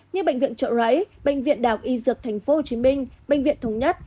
như bệnh viện trợ rẫy bệnh viện đào y dược tp hcm bệnh viện thống nhất